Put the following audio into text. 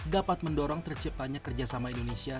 dapat mendorong terciptanya kerjasama indonesia